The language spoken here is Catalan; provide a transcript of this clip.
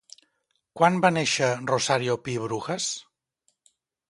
Quan va néixer Rosario Pi Brujas?